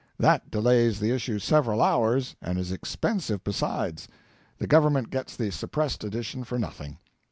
That delays the issue several hours, and is expensive besides. The Government gets the suppressed edition for nothing.